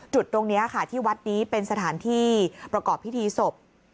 จุดตรงนี้ค่ะที่วัดนี้เป็นสถานที่ประกอบพิธีศพ